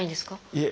いえ。